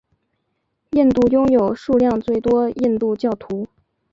印度拥有数量最多印度教徒。